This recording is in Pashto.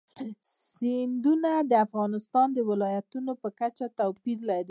سیندونه د افغانستان د ولایاتو په کچه توپیر لري.